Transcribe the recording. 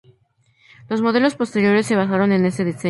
Los modelos posteriores se basaron en ese diseño.